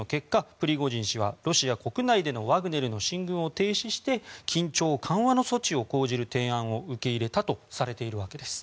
プリゴジン氏はロシア国内でのワグネルの進軍を停止して緊張緩和の措置を講じる提案を受け入れたとされているわけです。